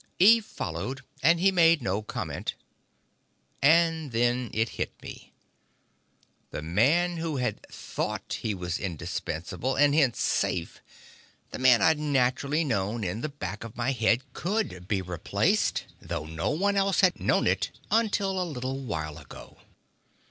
Eve followed, and he made no comment. And then it hit me. The man who had thought he was indispensable, and hence safe the man I'd naturally known in the back of my head could be replaced, though no one else had known it until a little while ago.